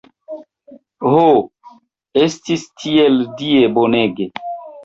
Ho, estis tiel Die bonege!